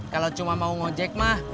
kalau cuma mau ngojek mah